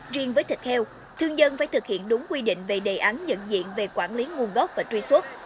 riêng với thịt heo thương dân phải thực hiện đúng quy định về đề án nhận diện về quản lý nguồn gốc và truy xuất